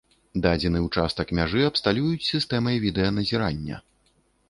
Дадзены ўчастак мяжы абсталююць сістэмай відэаназірання.